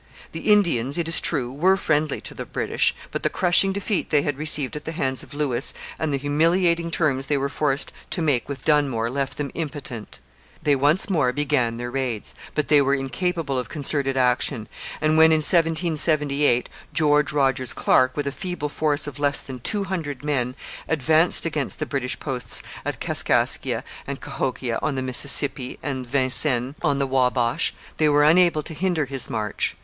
The Indians, it is true, were friendly to the British, but the crushing defeat they had received at the hands of Lewis and the humiliating terms they were forced to make with Dunmore left them impotent. They once more began their raids, but they were incapable of concerted action; and when in 1778 George Rogers Clark, with a feeble force of less than two hundred men, advanced against the British posts at Kaskaskia and Cahokia on the Mississippi and Vincennes on the Wabash, they were unable to hinder his march.